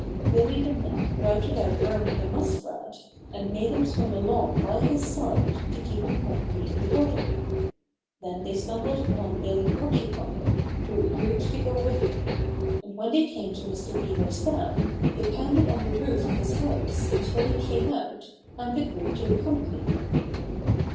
Billy the Mink routed out Browny the Muskrat and made him swim along by his side to keep him com pany in the water. Then they stumbled upon Billy Porcupine, who agreed to go with them, and when they came to Mr. Beaver's dam they pounded on the roof of his house until he came out and agreed to accompany them.